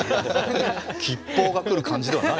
吉報が来る感じではない。